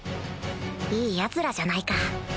いいヤツらじゃないか